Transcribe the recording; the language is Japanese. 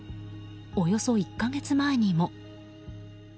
およそ１か月前にも。